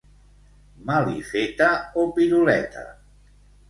Malifeta o piruleta.